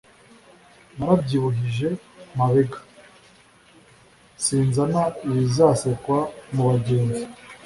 Narabyibuhije Mabega sinzana ibizasekwa mu bagenzi.